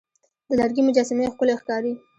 د لرګي مجسمې ښکلي ښکاري.